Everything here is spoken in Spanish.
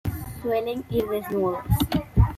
Suelen ir desnudos.